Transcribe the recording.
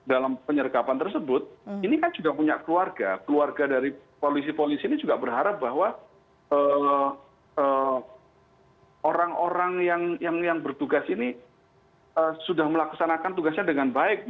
dalam penyergapan tersebut ini kan sudah punya keluarga keluarga dari polisi polisi ini juga berharap bahwa orang orang yang bertugas ini sudah melaksanakan tugasnya dengan baik